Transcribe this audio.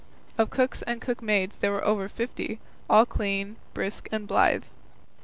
Of cooks and cook maids there were over fifty, all clean, brisk, and blithe.